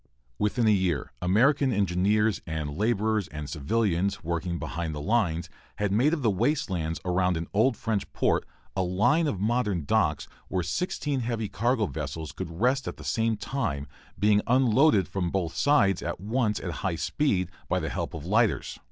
Within a year American engineers and laborers and civilians working behind the lines had made of the waste lands around an old French port a line of modern docks where sixteen heavy cargo vessels could rest at the same time, being unloaded from both sides at once at high speed, by the help of lighters.